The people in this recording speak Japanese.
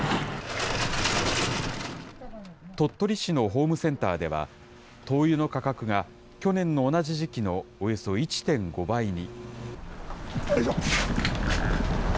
鳥取市のホームセンターでは、灯油の価格が去年の同じ時期のおよそ１．５倍に。